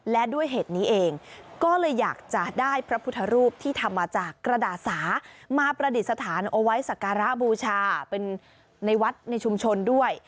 และด้วยเหตุนี้เองก็เลยอยากจะได้พระพุทธรูปที่ทำมาจากกระดาษสามาประดิษฐานเอาไว้สักการะบูชาเป็นในวัดในชุมชนด้วย